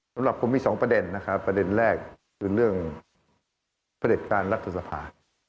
สำหรับผมมีสองประเด็นนะครับประเด็นแรกคือเรื่องประเด็จการรัฐสภา